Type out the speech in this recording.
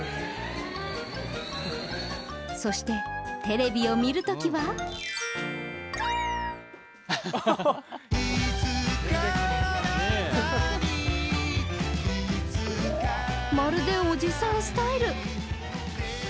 そして、テレビを見るときはまるでおじさんスタイル。